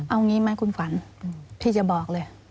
เอางี้ไหมคุณขวัญที่จะบอกเลย